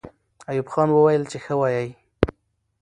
ایوب خان وویل چې ښه وایئ.